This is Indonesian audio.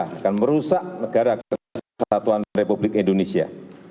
akan merusak negara kesatuan republik indonesia